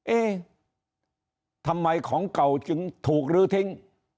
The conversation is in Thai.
เอ๊ะทำไมของเก่าจึงถูกลื้อทิ้ง